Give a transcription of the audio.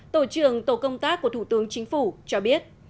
tổ trưởng tổ công tác của thủ tướng chính phủ cho biết